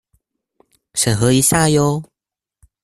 審核一下唷！